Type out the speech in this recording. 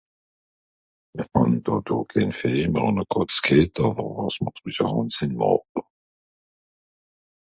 mer hàn dàdò kehn Fee mr hàn à Kàtz g'hett àwer àss mr drüss hàn g'sìn....